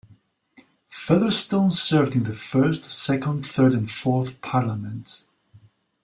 Featherston served in the first, second, third, and fourth Parliaments.